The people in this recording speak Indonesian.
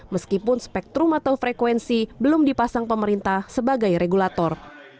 meskipun spektrum atau frekuensi belum dipasang pemerintah sebagai regulator